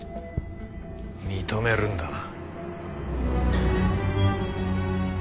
認めるんだな？